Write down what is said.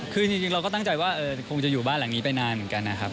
คือจริงเราก็ตั้งใจว่าคงจะอยู่บ้านหลังนี้ไปนานเหมือนกันนะครับ